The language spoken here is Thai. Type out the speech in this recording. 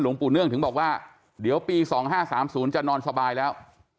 ปู่เนื่องถึงบอกว่าเดี๋ยวปี๒๕๓๐จะนอนสบายแล้ว